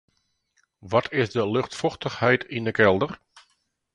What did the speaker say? Wat is de luchtfochtichheid yn 'e kelder?